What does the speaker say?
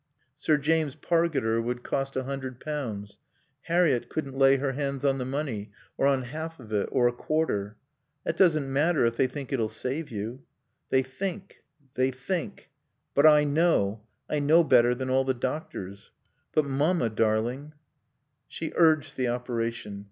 Sir James Pargeter would cost a hundred pounds. Harriett couldn't lay her hands on the money or on half of it or a quarter. "That doesn't matter if they think it'll save you." "They think; they think. But I know. I know better than all the doctors." "But Mamma, darling " She urged the operation.